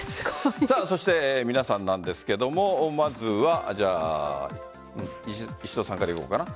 そして皆さんなんですがまずは石戸さんからいこうかな。